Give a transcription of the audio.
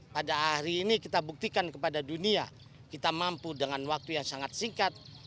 pada hari ini kita buktikan kepada dunia kita mampu dengan waktu yang sangat singkat